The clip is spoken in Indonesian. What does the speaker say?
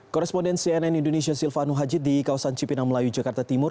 koresponden cnn indonesia silvano hajid di kawasan cipinang melayu jakarta timur